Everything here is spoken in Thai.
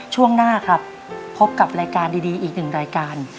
ช่วงหน้าครับพบกับรายการดีอีกหนึ่งรายการ